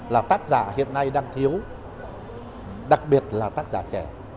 là tác giả hiện nay đang thiếu đặc biệt là tác giả trẻ